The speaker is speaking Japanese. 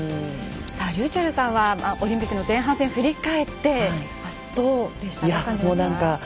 りゅうちぇるさんはオリンピックの前半戦振り返って、どう感じましたか？